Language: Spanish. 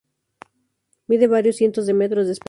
Mide varios cientos de metros de espesor.